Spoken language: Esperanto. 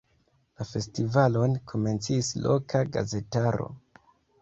La festivalon menciis loka gazetaro.